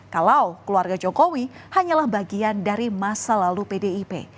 kalau keluarga jokowi hanyalah bagian dari masa lalu pdip